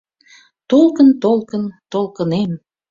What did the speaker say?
«Толкын, толкын, толкынем!